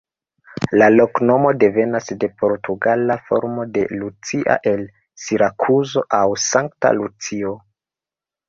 La loknomo devenas de portugala formo de Lucia el Sirakuzo aŭ "Sankta Lucio".